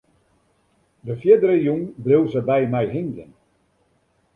De fierdere jûn bleau se by my hingjen.